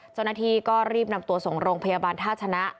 เจ้าหน้าที่ก็รีบนำตัวส่งโรงพยาบาลท่าชนะ